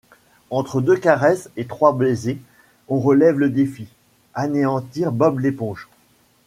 Entre deux caresses et trois baisers, on relève le défi : anéantir Bob l’Éponge.